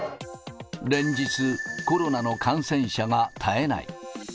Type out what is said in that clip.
連日、コロナの感染者が絶えない。